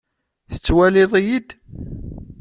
Tettwaliḍ-iyi-d?